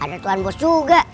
ada tuhan bos juga